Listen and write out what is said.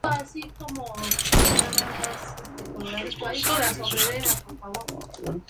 Habita en el este de Siberia.